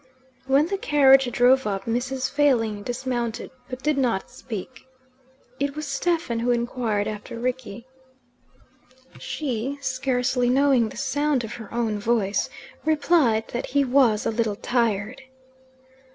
When the carriage drove up Mrs. Failing dismounted, but did not speak. It was Stephen who inquired after Rickie. She, scarcely knowing the sound of her own voice, replied that he was a little tired.